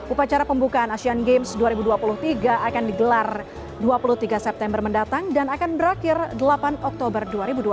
upacara pembukaan asian games dua ribu dua puluh tiga akan digelar dua puluh tiga september mendatang dan akan berakhir delapan oktober dua ribu dua puluh